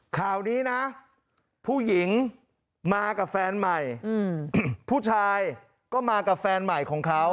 ข่าวนี้นะผู้หญิงมากับแฟนใหม่ผู้ชายก็มากับแฟนใหม่ของเขา